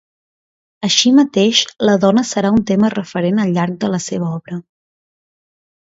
Així mateix, la dona serà un tema referent al llarg de la seva obra.